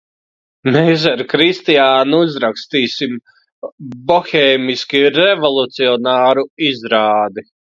Mēs ar Kristiānu uzrakstīsim bohēmiski revolucionāru izrādi!